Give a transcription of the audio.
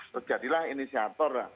terus jadilah inisiator